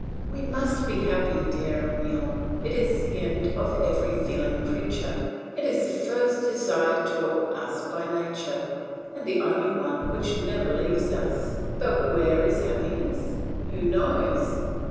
"We must be happy, dear Emile; it is the end of every feeling creature; it is the first desire taught us by nature, and the only one which never leaves us. But where is happiness? Who knows?